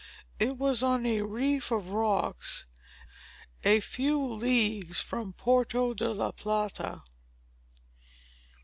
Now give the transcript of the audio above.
It was on a reef of rocks a few leagues from Porto de la Plata.